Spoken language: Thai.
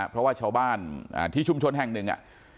เพราะว่าชาวบ้านที่ชุมชนแห่งหนึ่ง